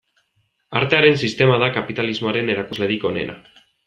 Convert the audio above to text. Artearen sistema da kapitalismoaren erakuslerik onena.